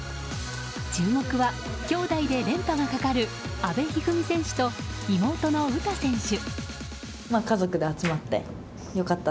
注目は兄妹で連覇がかかる阿部一二三選手と妹の詩選手。